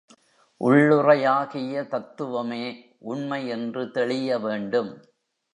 உள்ளுறையாகிய தத்துவமே உண்மை என்று தெளிய வேண்டும்.